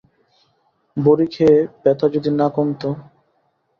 বড়ি খেয়ে ব্যথা যদি না কমত!